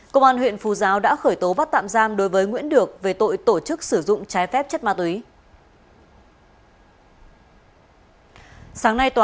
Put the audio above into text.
công an huyện phú giáo đã khởi tố bắt tạm giam đối với nguyễn được về tội tổ chức sử dụng trái phép chất ma túy